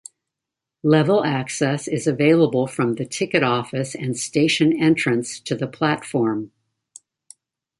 Level access is available from the ticket office and station entrance to the platform.